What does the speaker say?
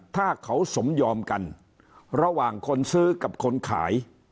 ถ้าเขาสมยอมกันระหว่างคนซื้อกับคนขาย